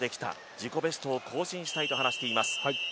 自己ベストを更新したいと話しています。